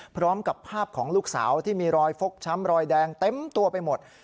พร้อมกับภาพของลูกสาวที่มีรอยฟกช้ำรอยแดงเต็มตัวไปหมด